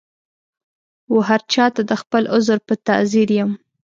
وهرچا ته د خپل عذر په تعذیر یم